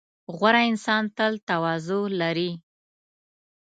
• غوره انسان تل تواضع لري.